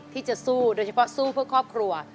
ที่จะสู้โดยเฉพาะสู้เพื่อครอบครัว